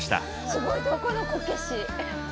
すごいどこのこけし？